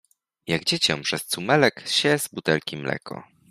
Jak dziecię przez cumelek ssie z butelki mleko